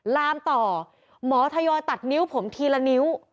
ลามต่อหมอทยอยตัดนิ้วผมทีละนิ้ว